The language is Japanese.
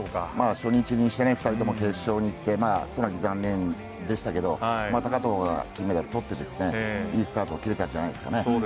初日にして２人とも決勝に行って、渡名喜はかなり残念でしたけど高藤が金メダルをとっていいスタートが切れたんじゃないんですか。